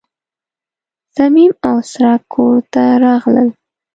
صمیم او څرک کور ته راغلل.